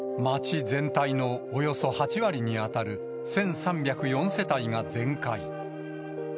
町全体のおよそ８割に当たる１３０４世帯が全壊。